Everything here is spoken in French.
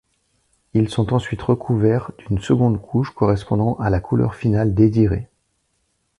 Ils sont ensuite recouverts d'une seconde couche correspondant à la couleur finale désirée.